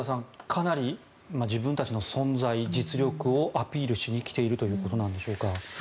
かなり自分たちの存在、実力をアピールしにきているということなんでしょうか。